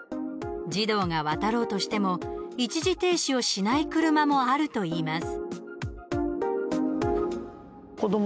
児童が渡ろうとしても一時停止をしない車もあるといいます。